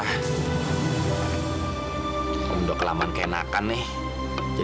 ya allah pukulnya sepuluh jam ya